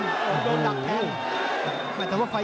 มันต้องอย่างงี้มันต้องอย่างงี้